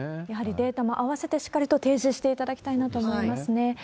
やはりデータも合わせてしっかりと提示していただきたいなと思いますね。